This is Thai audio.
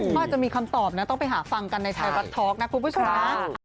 เขาอาจจะมีคำตอบนะต้องไปหาฟังกันในไทยรัฐทอล์กนะคุณผู้ชมนะ